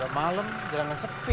hai malam jalan sepi